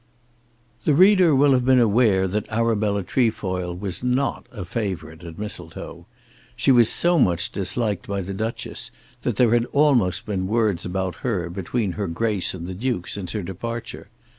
The reader will have been aware that Arabella Trefoil was not a favourite at Mistletoe. She was so much disliked by the Duchess that there had almost been words about her between her Grace and the Duke since her departure.